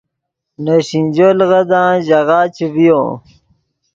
نے سینجو لیغدان ژاغہ چے ڤیو